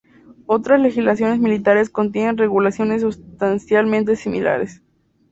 Otras legislaciones militares contienen regulaciones sustancialmente similares.